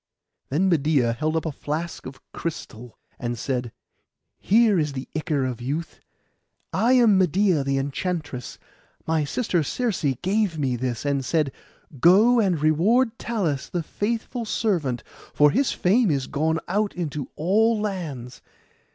Then Medeia held up a flask of crystal, and said, 'Here is the ichor of youth. I am Medeia the enchantress; my sister Circe gave me this, and said, "Go and reward Talus, the faithful servant, for his fame is gone out into all lands."